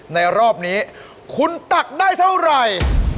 ในรอบนี้คุณตักได้เท่าไหร่